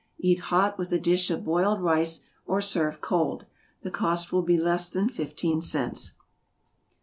Eat hot with a dish of boiled rice, or serve cold. The cost will be less than fifteen cents.